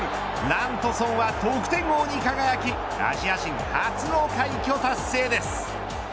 なんとソンは得点王に輝きアジア人初の快挙達成です。